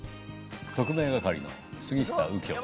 特命係の杉下右京です。